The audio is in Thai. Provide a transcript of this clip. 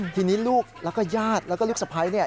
ทีนี้ลูกแล้วก็ญาติแล้วก็ลูกสะพ้ายเนี่ย